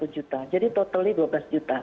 dua satu juta jadi totalnya dua belas juta